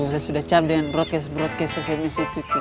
saya sudah cap dengan broadcast broadcast ccms itu